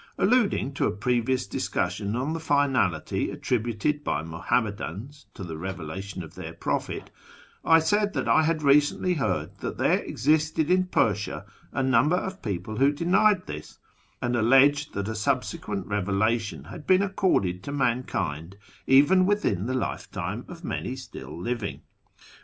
Alluding to a previous discussion on the finality attributed by JMuhannnadans to the revelation of their prophet, I said that I had recently heard that there existed in Persia a number of people who denied this, and alleged that a subsequent revelation had been accorded to mankind even within the lifetime of many still living.